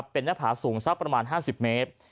เป็นหน้าผาสูงสักประมาณ๕๐เมตร